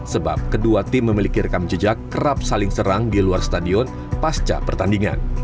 sebab kedua tim memiliki rekam jejak kerap saling serang di luar stadion pasca pertandingan